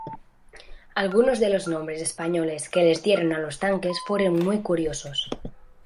Algunos de los nombres españoles que les dieron a los tanques fueron muy curiosos.